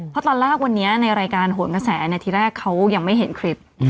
เพราะตอนแรกวันนี้ในรายการโหนกระแสที่แรกเขายังไม่เห็นคลิป